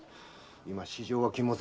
今私情は禁物だ。